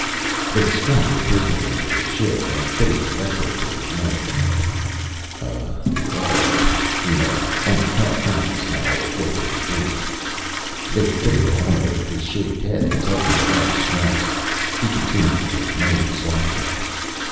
They strapped the prisoner into the chair and fitted the electrode to his leg. "Oh, oh," he moaned, only half conscious now of what they were doing. They fitted the helmet over his shaved head and tightened the last straps. He continued to moan softly.